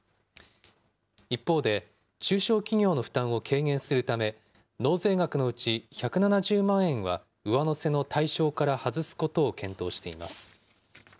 一方で、中小企業の負担を軽減するため、納税額のうち１７０万円は上乗せの対象から外すことを検討しています。